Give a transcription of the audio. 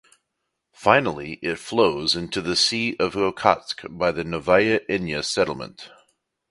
Finally it flows into the Sea of Okhotsk by the Novaya Inya settlement.